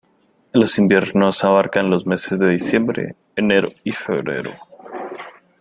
Los inviernos abarcan los meses de diciembre, enero y febrero.